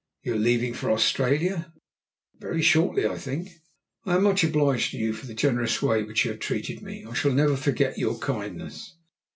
"You are leaving for Australia?" "Very shortly, I think." "I am much obliged to you for the generous way you have treated me. I shall never forget your kindness."